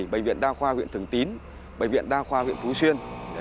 bệnh viện đa khoa huyện thường tín bệnh viện đa khoa huyện phú xuyên